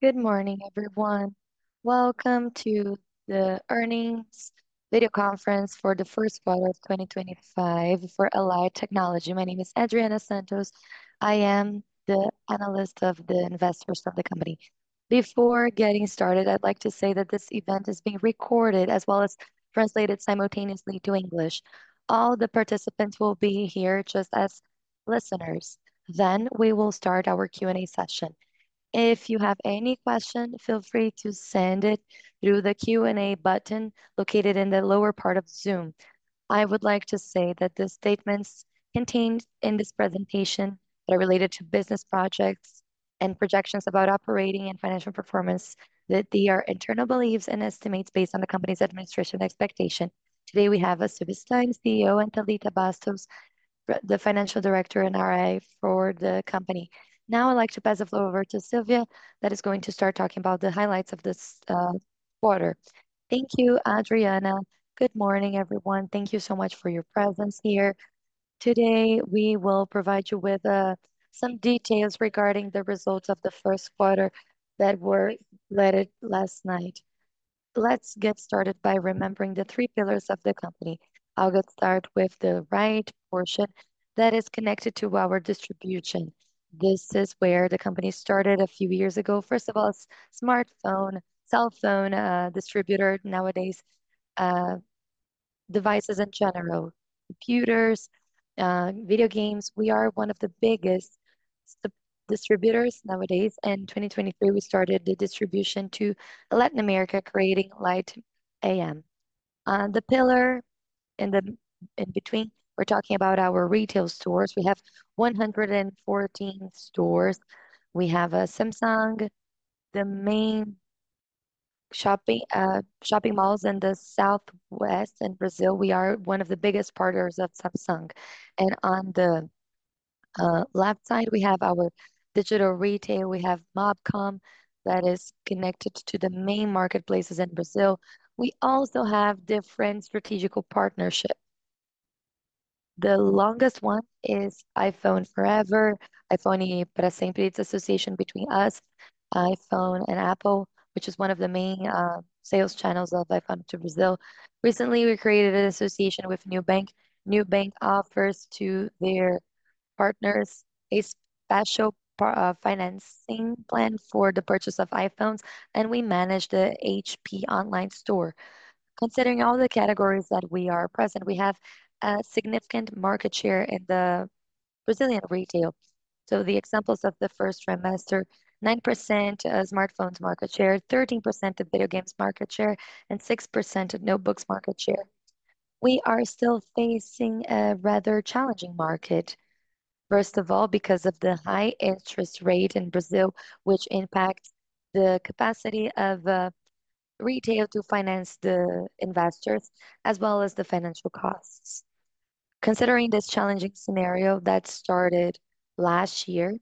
Good morning, everyone. Welcome to the earnings video conference for the first quarter of 2025 for Allied Tecnologia S.A. My name is Adriana Santos. I am the analyst of the investors of the company. Before getting started, I would like to say that this event is being recorded as well as translated simultaneously to English. All the participants will be here just as listeners. Then we will start our Q&A session. If you have any question, feel free to send it through the Q&A button located in the lower part of Zoom. I would like to say that the statements contained in this presentation that are related to business projects and projections about operating and financial performance, that they are internal beliefs and estimates based on the company's administration expectation. Today, we have Silvio Stagni, CEO, and Thalita Basso, the Financial Director and RI for the company. I would like to pass the floor over to Silvio that is going to start talking about the highlights of this quarter. Thank you, Adriana. Good morning, everyone. Thank you so much for your presence here. Today, we will provide you with some details regarding the results of the first quarter that were released last night. Let's get started by remembering the three pillars of the company. I will get started with the right portion that is connected to our distribution. This is where the company started a few years ago. First of all, smartphone, cellphone distributor, nowadays, devices in general, computers, video games. We are one of the biggest distributors nowadays. In 2023, we started the distribution to Latin America, creating Allied Miami LLC. The pillar in between, we are talking about our retail stores. We have 114 stores. We have Samsung, the main shopping malls in the Southwest in Brazil. On the left side, we have our digital retail. We have Mobcom that is connected to the main marketplaces in Brazil. We also have different strategic partnerships. The longest one is iPhone Forever, iPhone pra Sempre. It is an association between us, iPhone, and Apple, which is one of the main sales channels of iPhone to Brazil. Recently, we created an association with Nubank. Nubank offers to their partners a special financing plan for the purchase of iPhones, and we manage the HP online store. Considering all the categories that we are present, we have a significant market share in the Brazilian retail. The examples of the first quarter, 9% smartphones market share, 13% of video games market share, and 6% of notebooks market share. We are still facing a rather challenging market. First of all, because of the high interest rate in Brazil, which impacts the capacity of retail to finance the investors as well as the financial costs. Considering this challenging scenario that started last year,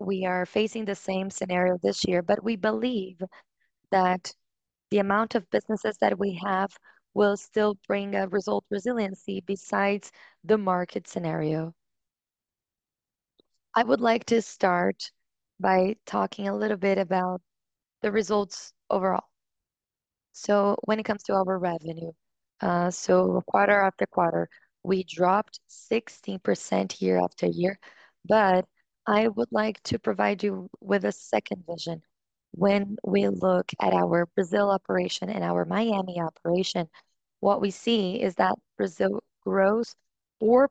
we are facing the same scenario this year. We believe that the amount of businesses that we have will still bring a result resiliency besides the market scenario. I would like to start by talking a little bit about the results overall. When it comes to our revenue, quarter-over-quarter, we dropped 16% year-over-year. I would like to provide you with a second vision. When we look at our Brazil operation and our Miami operation, what we see is that Brazil grows 4%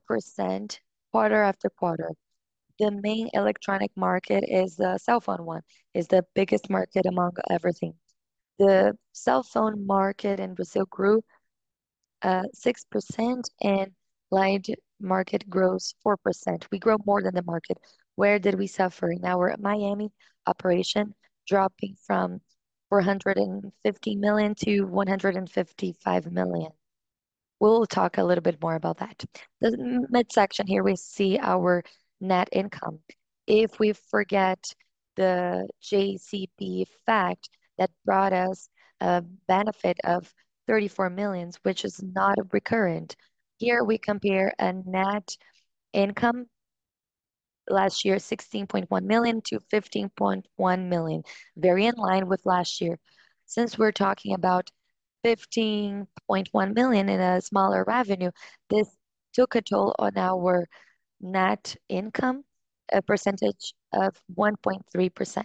quarter-over-quarter. The main electronic market is the cellphone one. It is the biggest market among everything. The cellphone market in Brazil grew 6%, Light market grows 4%. We grow more than the market. Where did we suffer? In our Miami operation, dropping from $450 million to $155 million. We'll talk a little bit more about that. The midsection here, we see our net income. If we forget the JCP fact that brought us a benefit of 34 million, which is not recurrent, here we compare a net income last year, 16.1 million to 15.1 million. Very in line with last year. Since we're talking about 15.1 million in a smaller revenue, this took a toll on our net income, a percentage of 1.3%.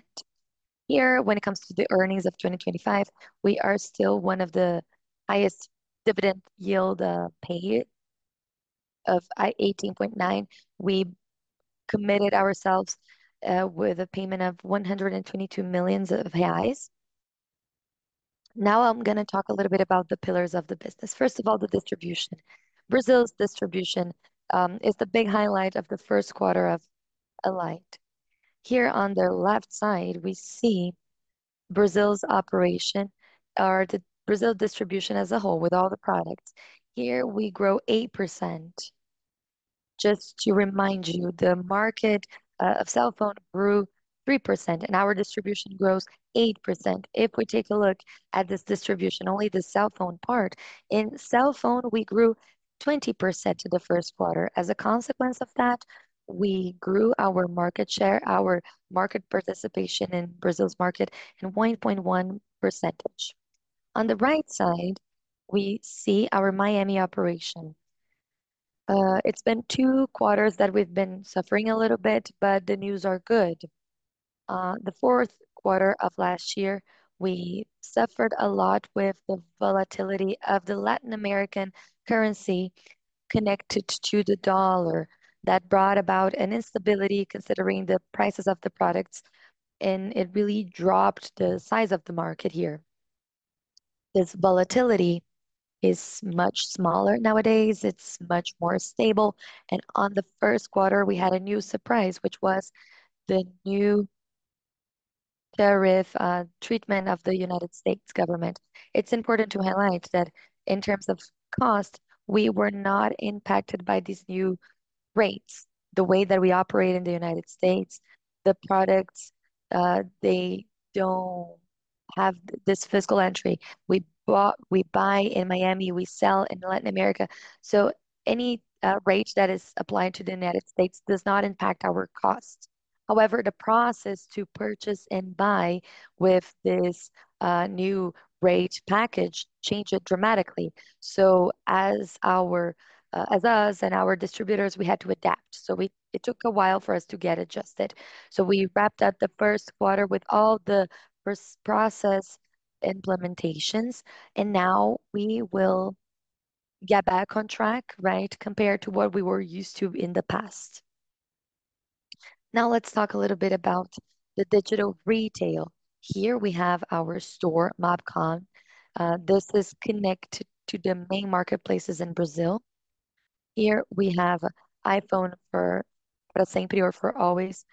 Here, when it comes to the earnings of 2025, we are still one of the highest dividend yield paid of 18.9. We committed ourselves with a payment of 122 million reais of reals. I'm going to talk a little bit about the pillars of the business. First of all, the distribution. Brazil's distribution is the big highlight of the first quarter of Allied. On the left side, we see Brazil's operation, or the Brazil distribution as a whole with all the products. We grow 8%. Just to remind you, the market of cellphone grew 3%, and our distribution grows 8%. If we take a look at this distribution, only the cellphone part. In cellphone, we grew 20% to the first quarter. As a consequence of that, we grew our market share, our market participation in Brazil's market in 1.1 percentage On the right side, we see our Miami operation. It's been two quarters that we've been suffering a little bit, but the news are good. The fourth quarter of last year, we suffered a lot with the volatility of the Latin American currency connected to the dollar. That brought about an instability considering the prices of the products, and it really dropped the size of the market here. This volatility is much smaller nowadays. It's much more stable. On the first quarter, we had a new surprise, which was the new tariff treatment of the United States government. It's important to highlight that in terms of cost, we were not impacted by these new rates. The way that we operate in the United States, the products, they don't have this physical entry. We buy in Miami, we sell in Latin America, so any rate that is applied to the United States does not impact our cost. However, the process to purchase and buy with this new rate package changed dramatically. As us and our distributors, we had to adapt. It took a while for us to get adjusted. We wrapped up the first quarter with all the process implementations, and now we will get back on track, right, compared to what we were used to in the past. Let's talk a little bit about the digital retail. We have our store, Mobcom. This is connected to the main marketplaces in Brazil. We have iPhone pra Sempre or for always,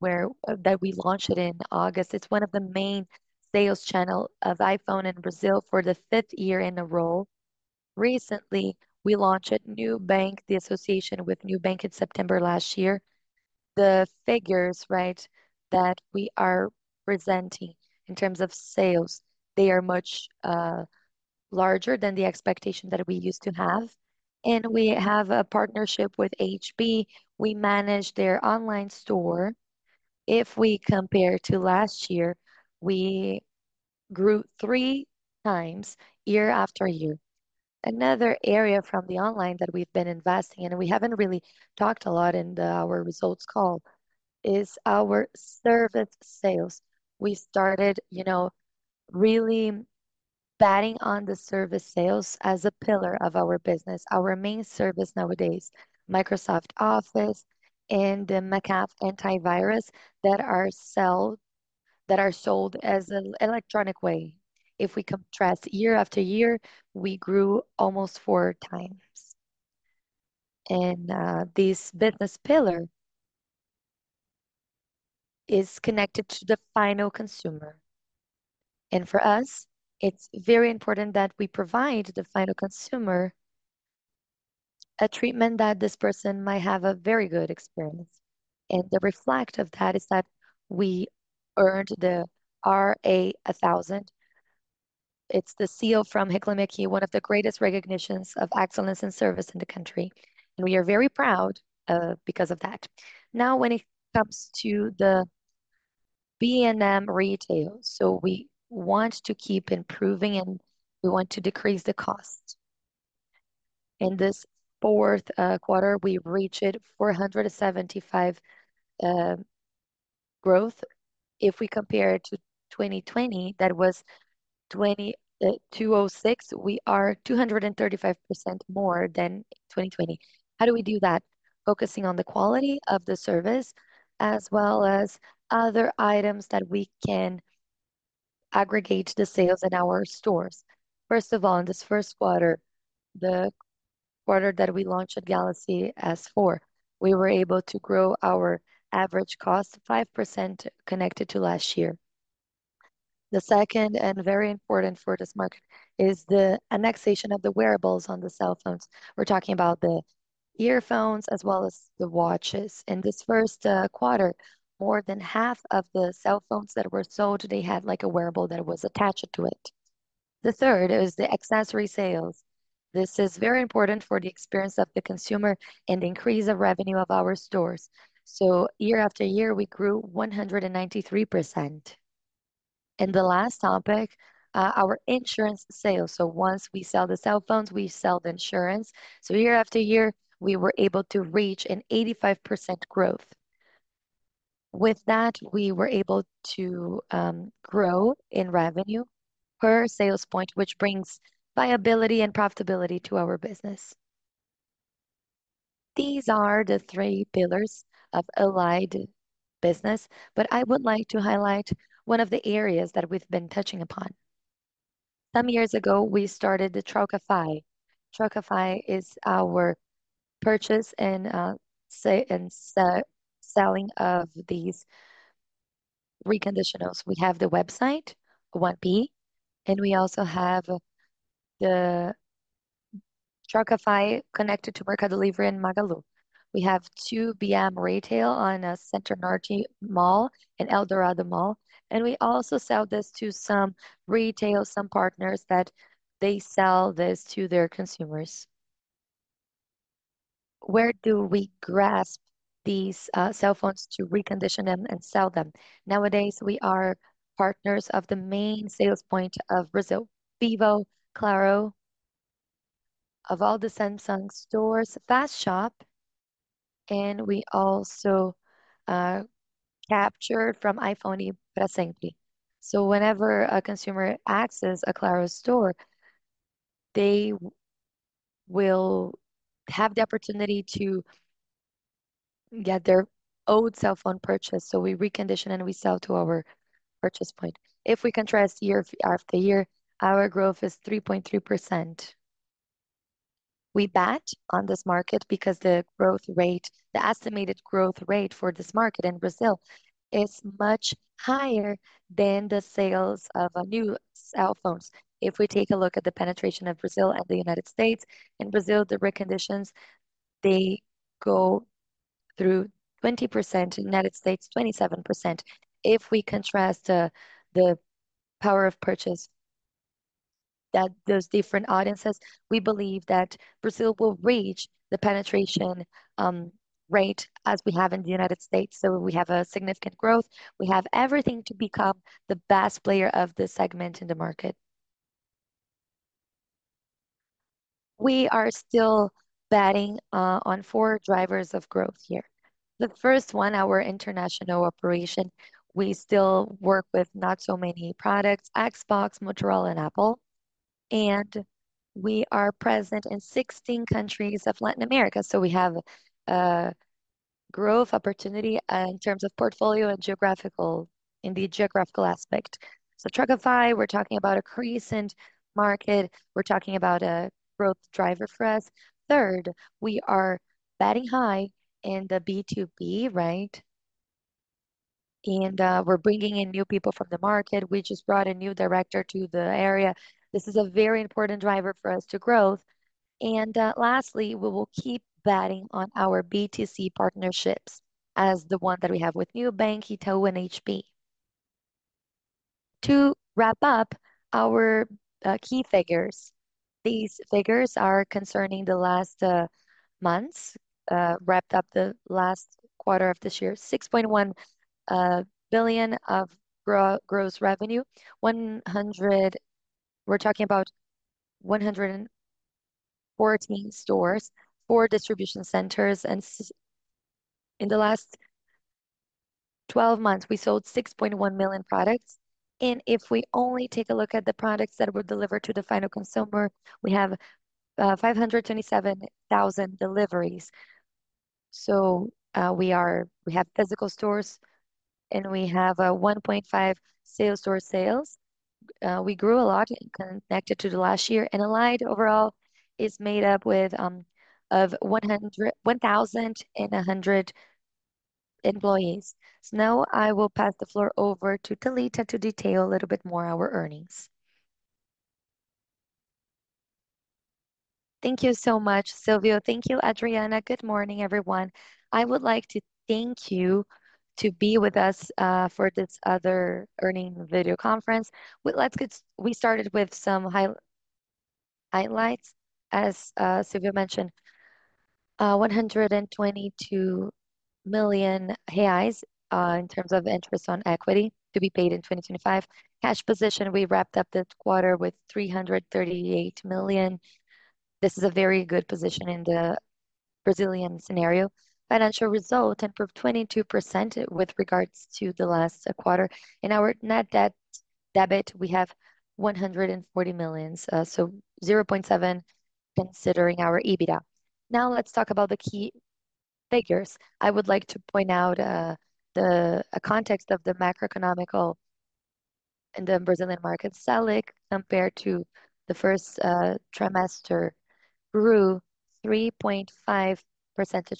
that we launched in August. It's one of the main sales channel of iPhone in Brazil for the fifth year in a row. Recently, we launched Nubank, the association with Nubank in September last year. The figures, right, that we are presenting in terms of sales, they are much larger than the expectation that we used to have. We have a partnership with HP. We manage their online store. If we compare to last year, we grew three times year after year. Another area from the online that we've been investing in, we haven't really talked a lot in our results call, is our service sales. We started really betting on the service sales as a pillar of our business. Our main service nowadays, Microsoft Office and the McAfee Antivirus, that are sold as an electronic way. If we contrast year after year, we grew almost four times. This business pillar is connected to the final consumer. For us, it's very important that we provide the final consumer a treatment that this person might have a very good experience. The reflect of that is that we earned the RA1000. It's the seal from Reclame Aqui, one of the greatest recognitions of excellence in service in the country, we are very proud because of that. Now, when it comes to the B&M retail, we want to keep improving, we want to decrease the cost. In this fourth quarter, we reached 475% growth. If we compare to 2020, that was 206%, we are 235% more than 2020. How do we do that? Focusing on the quality of the service, as well as other items that we can aggregate the sales in our stores. First of all, in this first quarter, the quarter that we launched Galaxy S4, we were able to grow our average cost 5% connected to last year. The second, very important for this market, is the annexation of the wearables on the cell phones. We're talking about the earphones as well as the watches. In this first quarter, more than half of the cell phones that were sold, they had a wearable that was attached to it. The third is the accessory sales. This is very important for the experience of the consumer and increase of revenue of our stores. Year after year, we grew 193%. The last topic, our insurance sales. Once we sell the cell phones, we sell the insurance. Year after year, we were able to reach an 85% growth. With that, we were able to grow in revenue per sales point, which brings viability and profitability to our business. These are the three pillars of Allied business, I would like to highlight one of the areas that we've been touching upon. Some years ago, we started the Trocafy. Trocafy is our purchase and selling of these reconditionals. We have the website, wantbe, we also have the Trocafy connected to Mercado Livre and Magalu. We have 2 B&M retail on Center Norte Mall and Eldorado Mall, we also sell this to some retail, some partners that they sell this to their consumers. Where do we grasp these cell phones to recondition them and sell them? Nowadays, we are partners of the main sales point of Brazil, Vivo, Claro, of all the Samsung stores, Fast Shop, we also capture from iPhone pra Sempre. Whenever a consumer accesses a Claro store, they will have the opportunity to get their old cell phone purchased. We recondition and we sell to our purchase point. If we contrast year after year, our growth is 3.3%. We bet on this market because the estimated growth rate for this market in Brazil is much higher than the sales of new cell phones. If we take a look at the penetration of Brazil and the U.S., in Brazil, the reconditions, they go through 20%, U.S., 27%. If we contrast the power of purchase that those different audiences, we believe that Brazil will reach the penetration rate as we have in the U.S. We have a significant growth. We have everything to become the best player of this segment in the market. We are still betting on four drivers of growth here. The first one, our international operation. We still work with not so many products, Xbox, Motorola, and Apple. And we are present in 16 countries of Latin America. We have growth opportunity in terms of portfolio and in the geographical aspect. Trocafy, we're talking about a crescent market. We're talking about a growth driver for us. Third, we are betting high in the B2B, right? And we're bringing in new people from the market. We just brought a new director to the area. This is a very important driver for us to growth. Lastly, we will keep betting on our B2C partnerships as the one that we have with Nubank, Itaú, and HP. To wrap up our key figures. These figures are concerning the last months, wrapped up the last quarter of this year, 6.1 billion of gross revenue. We're talking about 114 stores, four distribution centers, and in the last 12 months, we sold 6.1 million products. If we only take a look at the products that were delivered to the final consumer, we have 527,000 deliveries. We have physical stores, and we have 1.5 store sales. We grew a lot connected to the last year. And Allied overall is made up of 1,100 employees. Now I will pass the floor over to Thalita to detail a little bit more our earnings. Thank you so much, Silvio. Thank you, Adriana. Good morning, everyone. I would like to thank you to be with us for this other earning video conference. We started with some highlights, as Silvio mentioned. 122 million reais in terms of interest on equity to be paid in 2025. Cash position, we wrapped up the quarter with 338 million. This is a very good position in the Brazilian scenario. Financial result improved 22% with regards to the last quarter. In our net debt, we have 140 million. 0.7, considering our EBITDA. Now let's talk about the key figures. I would like to point out the context of the macroeconomical in the Brazilian market. Selic, compared to the first trimester, grew 3.5 percentage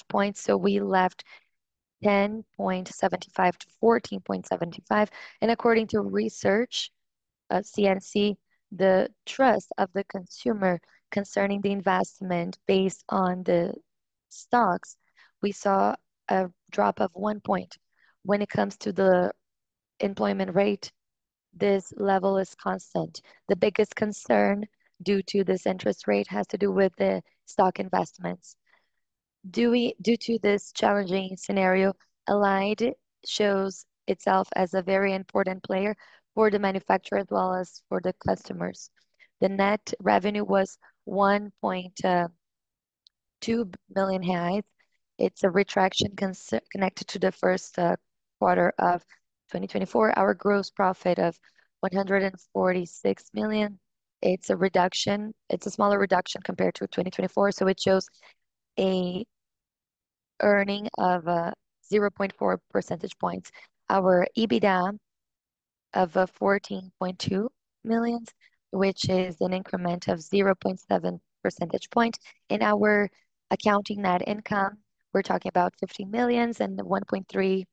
points. We left 10.75 to 14.75. And according to research, CNC, the trust of the consumer concerning the investment based on the stocks, we saw a drop of one point. When it comes to the employment rate, this level is constant. The biggest concern due to this interest rate has to do with the stock investments. Due to this challenging scenario, Allied shows itself as a very important player for the manufacturer as well as for the customers. The net revenue was 1.2 million. It's a retraction connected to the first quarter of 2024. Our gross profit of 146 million, it's a smaller reduction compared to 2024, so it shows a earning of 0.4 percentage points. Our EBITDA of 14.2 million, which is an increment of 0.7 percentage point. In our accounting net income, we're talking about 15 million and 1.3%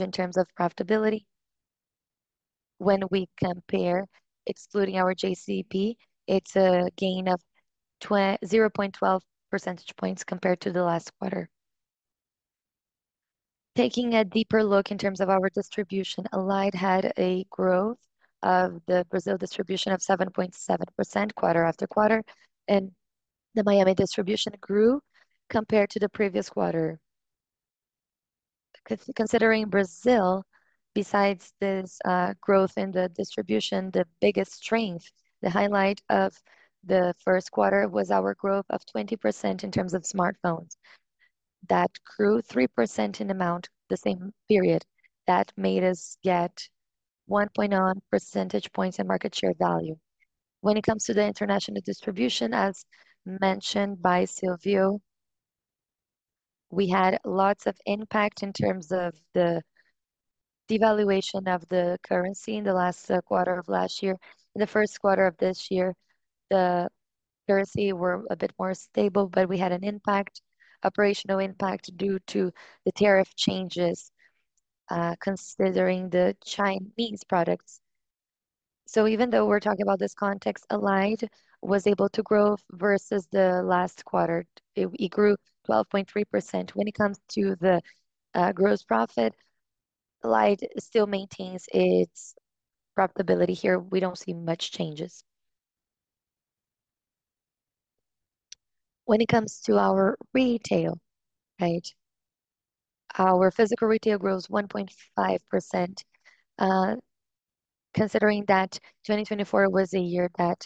in terms of profitability. When we compare excluding our JCP, it's a gain of 0.12 percentage points compared to the last quarter. Taking a deeper look in terms of our distribution, Allied had a growth of the Brazil distribution of 7.7% quarter-over-quarter, and the Miami distribution grew compared to the previous quarter. Considering Brazil, besides this growth in the distribution, the biggest strength, the highlight of the first quarter was our growth of 20% in terms of smartphones. That grew 3% in amount the same period. That made us get 1.1 percentage points in market share value. When it comes to the international distribution, as mentioned by Silvio, we had lots of impact in terms of the devaluation of the currency in the last quarter of last year. In the first quarter of this year, the currency were a bit more stable, but we had an operational impact due to the tariff changes, considering the Chinese products. Even though we're talking about this context, Allied was able to grow versus the last quarter. It grew 12.3%. When it comes to the gross profit, Allied still maintains its profitability here. We don't see much changes. When it comes to our retail. Our physical retail grows 1.5%, considering that 2024 was a year that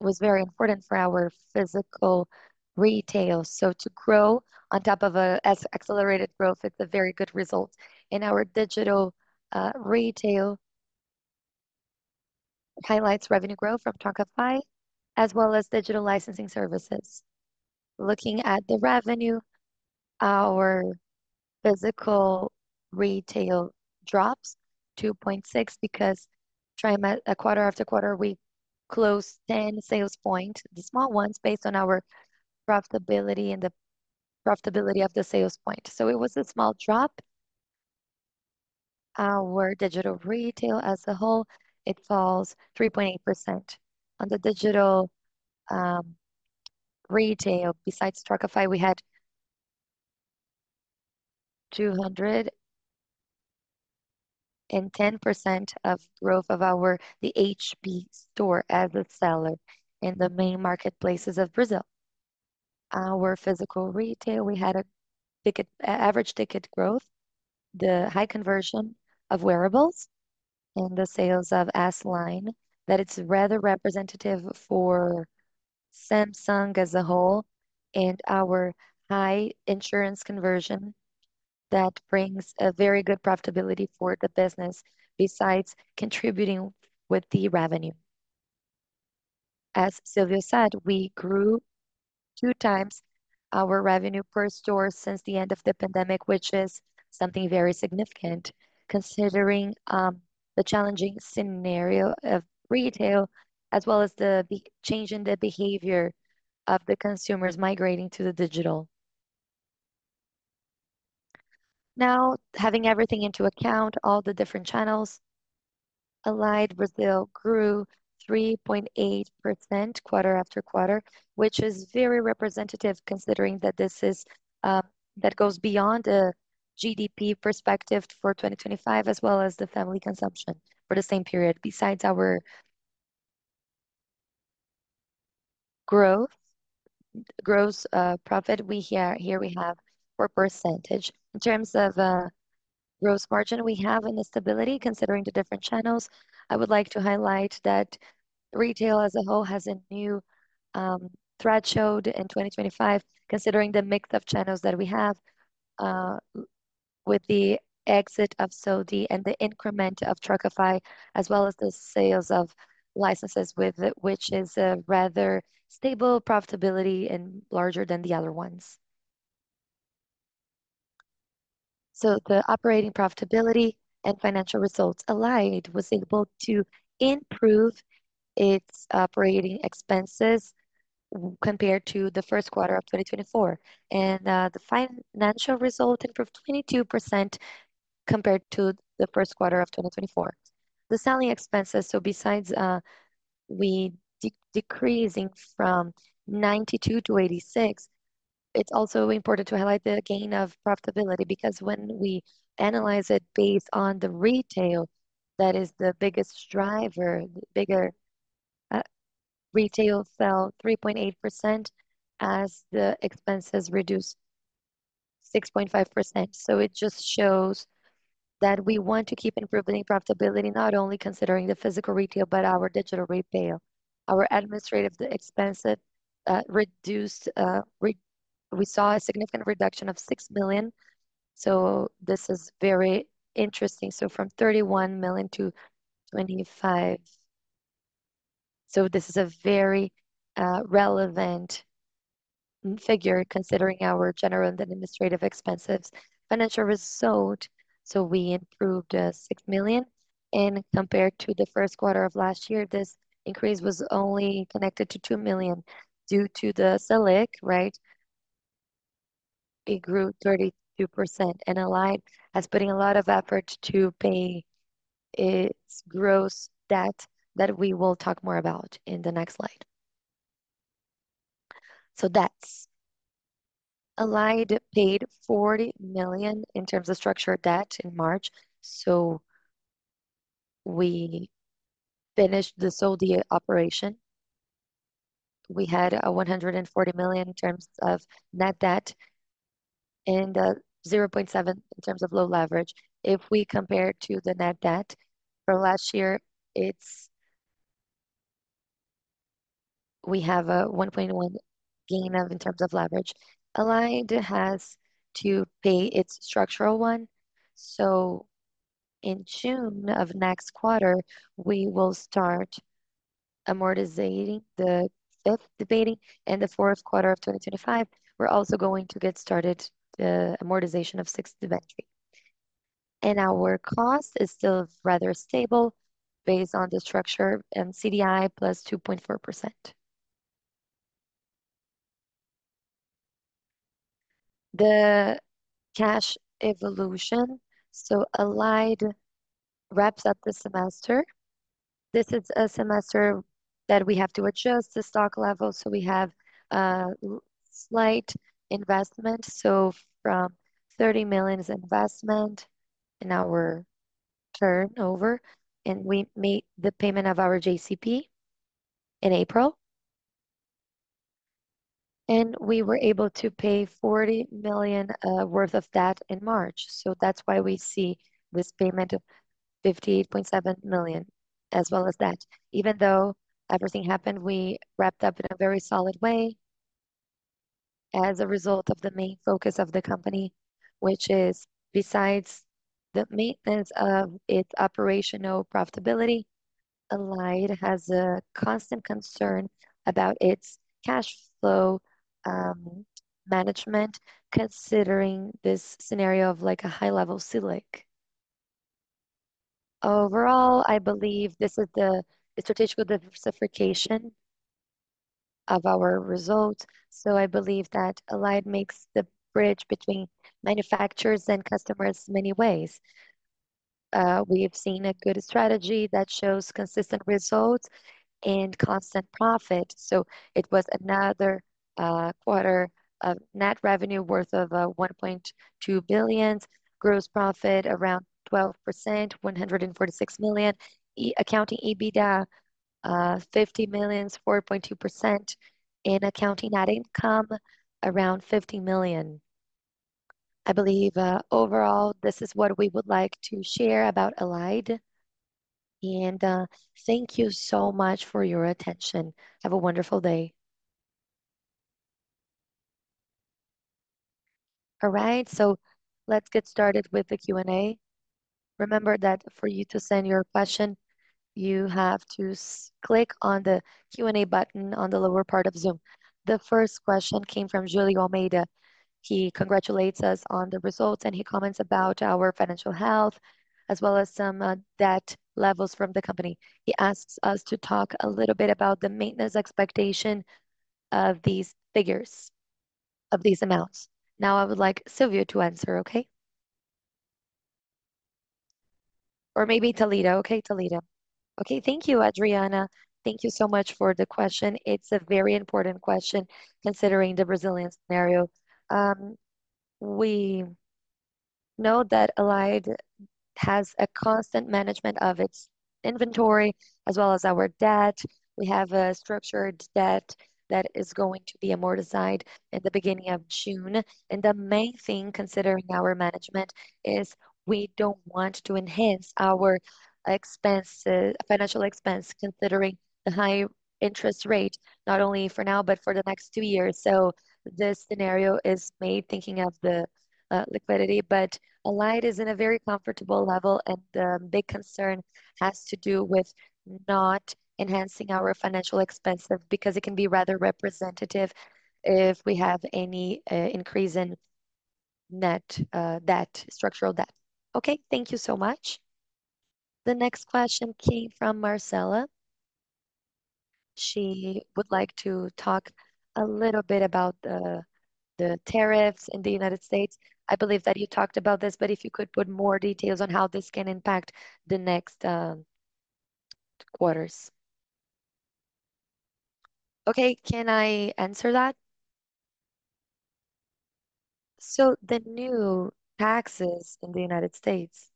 was very important for our physical retail. To grow on top of an accelerated growth is a very good result. In our digital retail, it highlights revenue growth from Trocafy as well as digital licensing services. Looking at the revenue, our physical retail drops 2.6% because quarter-over-quarter, we closed 10 sales points, the small ones, based on our profitability and the profitability of the sales point. It was a small drop. Our digital retail as a whole, it falls 3.8%. On the digital retail, besides Trocafy, we had 210% of growth of our HP store as a seller in the main marketplaces of Brazil. Our physical retail, we had an average ticket growth. The high conversion of wearables and the sales of S line, that it's rather representative for Samsung as a whole, and our high insurance conversion, that brings a very good profitability for the business besides contributing with the revenue. As Silvio said, we grew two times our revenue per store since the end of the pandemic, which is something very significant considering the challenging scenario of retail as well as the change in the behavior of the consumers migrating to the digital. Having everything into account, all the different channels, Allied Brazil grew 3.8% quarter-over-quarter, which is very representative considering that that goes beyond a GDP perspective for 2025 as well as the family consumption for the same period. Besides our growth, gross profit, here we have 4%. In terms of gross margin, we have a stability considering the different channels. I would like to highlight that retail as a whole has a new trend showed in 2025, considering the mix of channels that we have with the exit of Soudi and the increment of Trocafy as well as the sales of licenses which is a rather stable profitability and larger than the other ones. The operating profitability and financial results. Allied was able to improve its operating expenses compared to the first quarter of 2024. The financial result improved 22% compared to the first quarter of 2024. The selling expenses, besides decreasing from 92 to 86, it is also important to highlight the gain of profitability because when we analyze it based on retail, that is the biggest driver. Retail fell 3.8% as expenses reduced 6.5%. It just shows that we want to keep improving profitability, not only considering physical retail, but our digital retail. Our administrative expenses reduced. We saw a significant reduction of 6 million. This is very interesting. From 31 million to 25 million. This is a very relevant figure considering our general and administrative expenses. Financial result. We improved 6 million, and compared to the first quarter of last year, this increase was only connected to 2 million due to the Selic. It grew 32%, and Allied has put a lot of effort to pay its gross debt that we will talk more about in the next slide. Allied paid 40 million in terms of structured debt in March. We finished the Soudi operation. We had 140 million in terms of net debt and 0.7 in terms of low leverage. If we compare to the net debt for last year, we have a 1.1 gain in terms of leverage. Allied has to pay its structural one. In June of next quarter, we will start amortizing the fifth debenture, and the fourth quarter of 2025, we are also going to get started the amortization of sixth debenture. Our cost is still rather stable based on the structure and CDI plus 2.4%. The cash evolution. Allied wraps up the semester. This is a semester that we have to adjust the stock level. We have slight investment, from 30 million investment in our turnover, and we made the payment of our JCP in April. We were able to pay 40 million worth of debt in March. That is why we see this payment of 58.7 million as well as that. Even though everything happened, we wrapped up in a very solid way as a result of the main focus of the company, which is, besides the maintenance of its operational profitability, Allied has a constant concern about its cash flow management considering this scenario of a high-level Selic. Overall, I believe this is the strategic diversification of our results. I believe that Allied makes the bridge between manufacturers and customers many ways. We have seen a good strategy that shows consistent results and constant profit. It was another quarter of net revenue worth of R$1.2 billion, gross profit around 12%, 146 million, accounting EBITDA, R$50 million, 4.2%, and accounting net income around R$50 million. I believe, overall, this is what we would like to share about Allied. Thank you so much for your attention. Have a wonderful day. All right. Let's get started with the Q&A. Remember that for you to send your question, you have to click on the Q&A button on the lower part of Zoom. The first question came from Julio Almeida. He congratulates us on the results. He comments about our financial health as well as some debt levels from the company. He asks us to talk a little bit about the maintenance expectation of these figures, of these amounts. Now I would like Silvio to answer, okay? Or maybe Talita. Okay, Talita. Okay. Thank you, Adriana. Thank you so much for the question. It's a very important question considering the Brazilian scenario. We know that Allied has a constant management of its inventory as well as our debt. We have a structured debt that is going to be amortized at the beginning of June. The main thing considering our management is we don't want to enhance our financial expense, considering the high interest rate, not only for now but for the next two years. This scenario is made thinking of the liquidity. Allied is in a very comfortable level, and the big concern has to do with not enhancing our financial expenses because it can be rather representative if we have any increase in net debt, structural debt. Okay. Thank you so much. The next question came from Marcella. She would like to talk a little bit about the tariffs in the United States. I believe that you talked about this, but if you could put more details on how this can impact the next quarters. Okay. Can I answer that? The new taxes in the United States,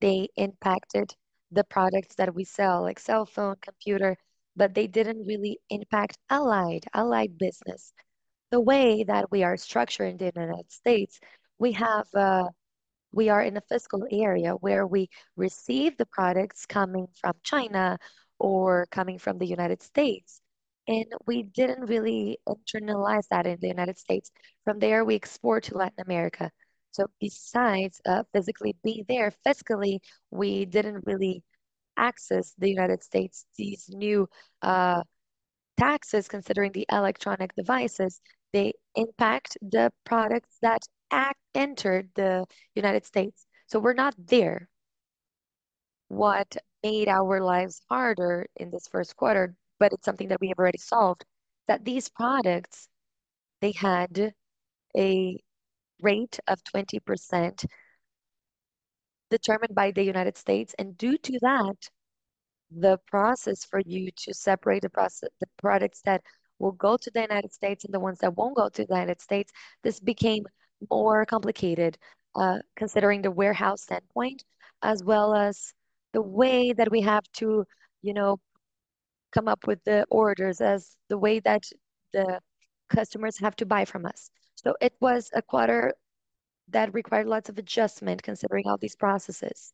they impacted the products that we sell, like cell phone, computer, but they didn't really impact Allied business. The way that we are structured in the United States, we are in a fiscal area where we receive the products coming from China or coming from the United States. We didn't really internalize that in the United States. From there, we export to Latin America. Besides physically being there fiscally, we didn't really access the United States. These new taxes, considering the electronic devices, they impact the products that enter the United States. We're not there. What made our lives harder in this first quarter, it's something that we have already solved, that these products, they had a rate of 20% determined by the United States. Due to that, the process for you to separate the products that will go to the United States and the ones that won't go to the United States, this became more complicated, considering the warehouse standpoint, as well as the way that we have to come up with the orders as the way that the customers have to buy from us. It was a quarter that required lots of adjustment considering all these processes.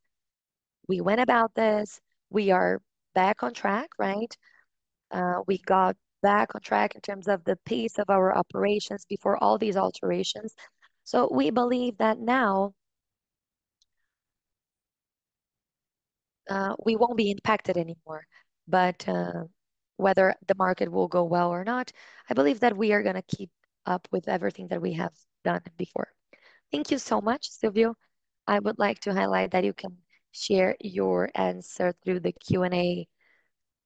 We went about this. We are back on track. We got back on track in terms of the pace of our operations before all these alterations. We believe that now we won't be impacted anymore. Whether the market will go well or not, I believe that we are going to keep up with everything that we have done before. Thank you so much, Silvio. I would like to highlight that you can share your answer through the Q&A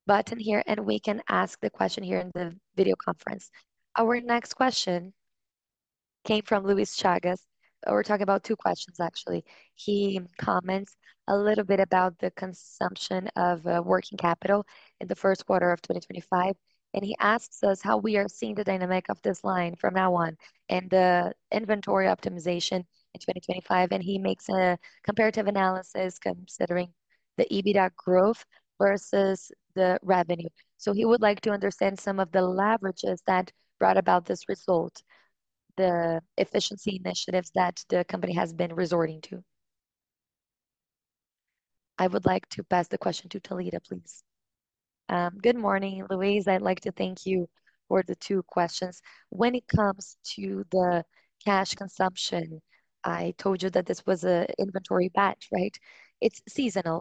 button here, and we can ask the question here in the video conference. Our next question came from Luis Chagas. We are talking about 2 questions, actually. He comments a little bit about the consumption of working capital in the first quarter of 2025, and he asks us how we are seeing the dynamic of this line from now on and the inventory optimization in 2025, and he makes a comparative analysis considering the EBITDA growth versus the revenue. He would like to understand some of the leverages that brought about this result, the efficiency initiatives that the company has been resorting to. I would like to pass the question to Thalita, please. Good morning, Luis. I would like to thank you for the 2 questions. When it comes to the cash consumption, I told you that this was an inventory batch. It is seasonal,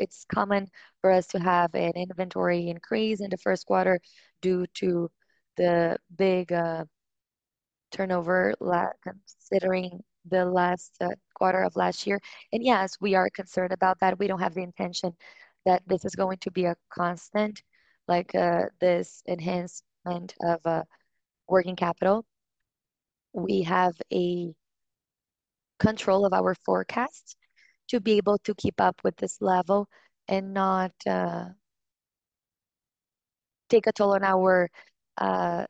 it is common for us to have an inventory increase in the first quarter due to the big turnover considering the last quarter of last year. Yes, we are concerned about that. We do not have the intention that this is going to be a constant, this enhancement of working capital. We have a control of our forecasts to be able to keep up with this level and not take a toll on our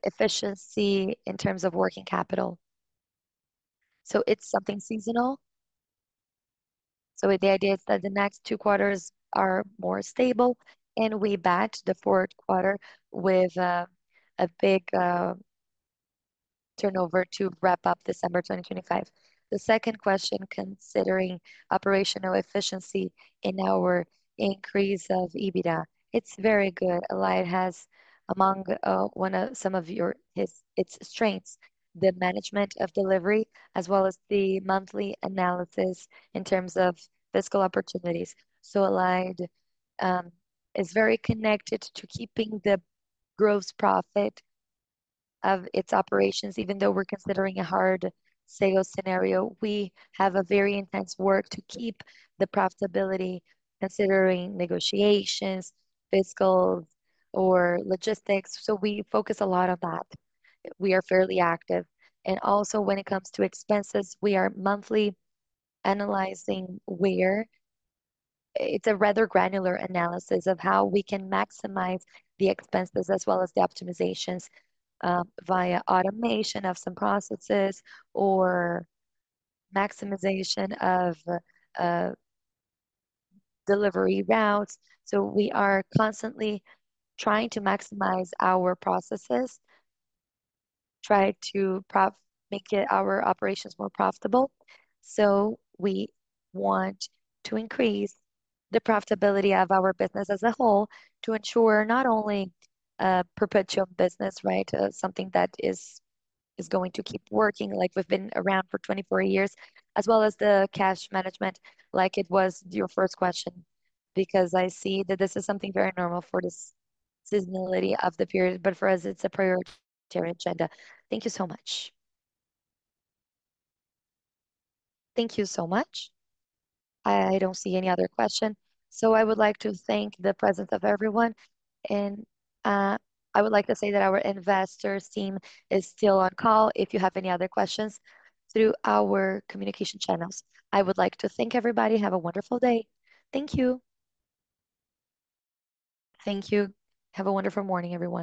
efficiency in terms of working capital. It is something seasonal. The idea is that the next 2 quarters are more stable, and we bat the fourth quarter with a big turnover to wrap up December 2025. The second question, considering operational efficiency in our increase of EBITDA. It is very good. Allied has, among some of its strengths, the management of delivery, as well as the monthly analysis in terms of fiscal opportunities. Allied is very connected to keeping the gross profit of its operations. Even though we are considering a hard sales scenario, we have a very intense work to keep the profitability considering negotiations, fiscal, or logistics. We focus a lot on that. We are fairly active. Also when it comes to expenses, we are monthly analyzing where. It is a rather granular analysis of how we can maximize the expenses as well as the optimizations via automation of some processes or maximization of delivery routes. We are constantly trying to maximize our processes, try to make our operations more profitable. We want to increase the profitability of our business as a whole to ensure not only a perpetual business, something that is going to keep working like we have been around for 24 years, as well as the cash management, like it was your first question. I see that this is something very normal for this seasonality of the period, but for us, it is a priority agenda. Thank you so much. Thank you so much. I do not see any other question. I would like to thank the presence of everyone, and I would like to say that our investors team is still on call if you have any other questions through our communication channels. I would like to thank everybody. Have a wonderful day. Thank you. Thank you. Have a wonderful morning, everyone.